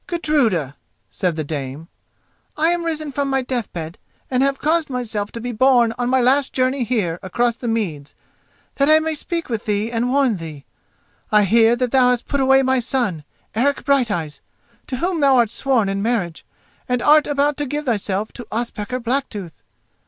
"Gudruda," said the dame, "I am risen from my deathbed, and I have caused myself to be borne on my last journey here across the meads, that I may speak with thee and warn thee. I hear that thou hast put away my son, Eric Brighteyes, to whom thou art sworn in marriage, and art about to give thyself to Ospakar Blacktooth.